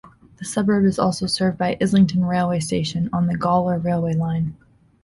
The suburb is also served by Islington railway station on the Gawler Railway Line.